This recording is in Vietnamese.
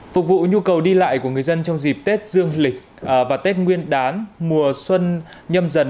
phục vụ nhu cầu đi lại của người dân trong dịp tết dương lịch và tết nguyên đán mùa xuân nhâm dần